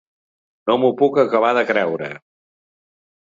No m’ho puc acabar de creure.